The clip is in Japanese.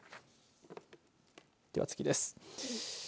では、次です。